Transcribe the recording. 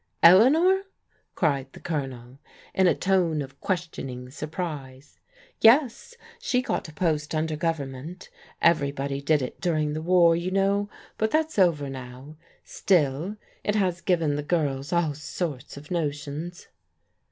" Eleanor? " cried the Colonel in a tone of questioning surprise. "Yes, she got a post under Government. Everybody did it during the war, you know; but that's over now. Still it has given the girls all sorts of notions."